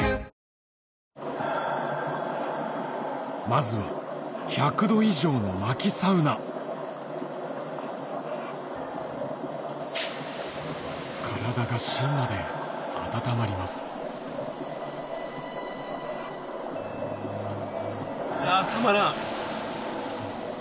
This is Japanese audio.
まずは１００度以上の薪サウナ体が芯まで温まりますたまらん！